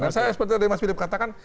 nah saya seperti tadi mas philip katakan